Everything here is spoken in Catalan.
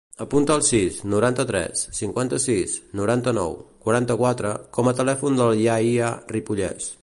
Apunta el sis, noranta-tres, cinquanta-sis, noranta-nou, quaranta-quatre com a telèfon del Yahya Ripolles.